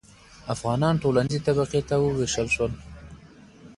افغانان ټولنیزې طبقې ته وویشل شول.